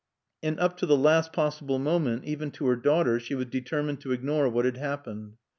And up to the last possible moment, even to her daughter, she was determined to ignore what had happened.